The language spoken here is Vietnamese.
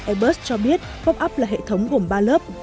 airbus cho biết popup là hệ thống gồm ba lớp